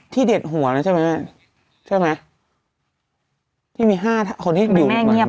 ที่เด็ดหัวนะใช่ไหมใช่ไหม